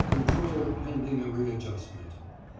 control pending a readjustment.